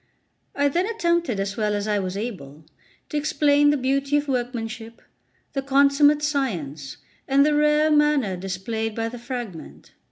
I then attempted, as well as I was able, to explain the beauty of workmanship, the consummate science, and the rare manner displayed by the fragment.